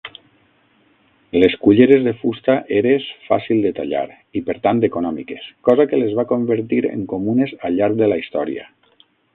Les culleres de fusta eres fàcils de tallar i, per tant, econòmiques, cosa que les va convertir en comunes al llarg de la història.